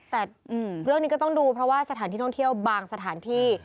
แต่เรื่องนี้ก็ต้องดูเพราะว่าสถานที่ท่องเที่ยวบางสถานที่